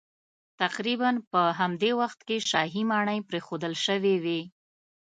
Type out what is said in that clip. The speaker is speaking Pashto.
تقریبا په همدې وخت کې شاهي ماڼۍ پرېښودل شوې وې